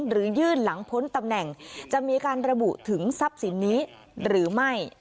หรือยื่นหลังพ้นตำแหน่งจะมีการระบุถึงทรัพย์สินนี้หรือไม่